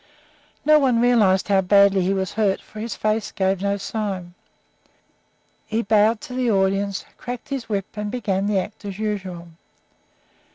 No one realized how badly he was hurt, for his face gave no sign. He bowed to the audience, cracked his whip, and began the act as usual.